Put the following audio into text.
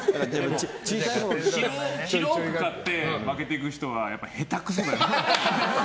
広く買って負けていく人はへたくそだよ。